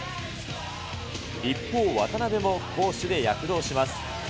一方、渡邊も攻守で躍動します。